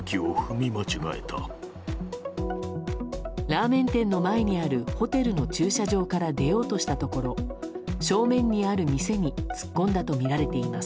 ラーメン店の前にあるホテルの駐車場から出ようとしたところ正面にある店に突っ込んだとみられています。